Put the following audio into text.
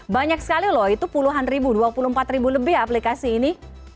banyak sekali loh itu puluhan ribu dua puluh empat ribu lebih aplikasi ini